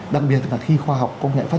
đặc biệt là khi khoa học công nghệ phát